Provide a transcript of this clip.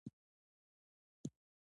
هغه د انصاف لپاره شخصي زيان منلو ته چمتو و.